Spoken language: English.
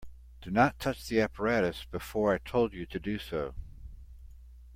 Do not touch the apparatus before I told you to do so.